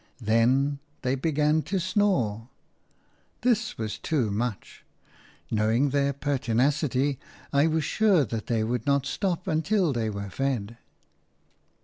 Then they began to snore. This was too much. Knowing their pertinacity, I was sure that they would not stop until they were fed.